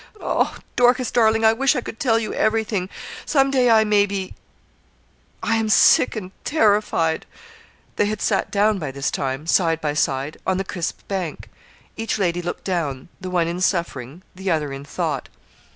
Oh! Dorcas, darling, I wish I could tell you everything. Some day I may be I am sick and terrified.' They had sat down, by this time, side by side, on the crisp bank. Each lady looked down, the one in suffering, the other in thought.